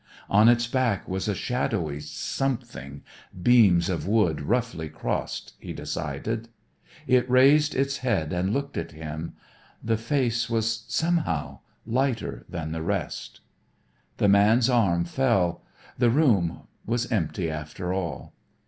On its back was a shadowy something beams of wood roughly crossed, he decided. It raised its head and looked at him. The face was somehow lighter than the rest. The man's arm fell. The room was empty after all.